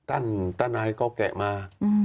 อันนี้ตั้นก็แกะมา